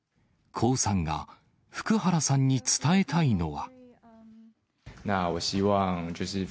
江さんが、福原さんに伝えたいのは。